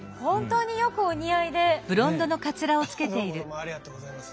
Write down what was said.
どうもどうもありがとうございます。